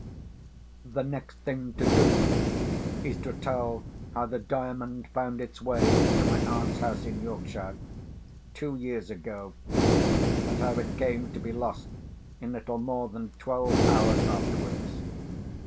The next thing to do is to tell how the Diamond found its way into my aunt's house in Yorkshire, two years ago, and how it came to be lost in little more than twelve hours afterwards.